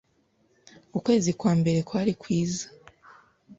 ukwezi kwa mbere kwari kwiza